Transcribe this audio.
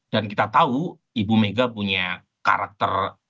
dan kita tahu ibu mega punya karakter